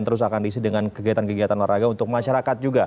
dan terus akan diisi dengan kegiatan kegiatan warga untuk masyarakat juga